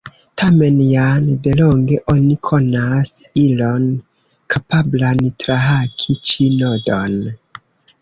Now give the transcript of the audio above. Tamen, jam delonge oni konas ilon kapablan trahaki ĉi nodon.